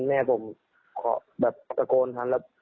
แม่ผมแบบตะโกนทันแล้ว